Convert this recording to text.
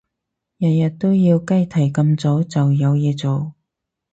日日都要雞啼咁早就有嘢做？